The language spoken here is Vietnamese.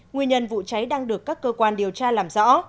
nguyên nhân vụ cháy đang được các cơ quan điều tra làm rõ